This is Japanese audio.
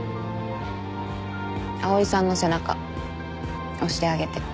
蒼井さんの背中押してあげて。